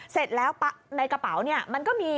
เสร็จแล้วในกระเป๋าเนี่ยมันก็มี